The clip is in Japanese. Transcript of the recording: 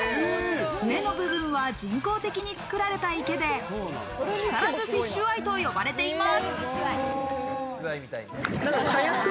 目の部分は人工的に作られた池で木更津フィッシュアイと呼ばれています。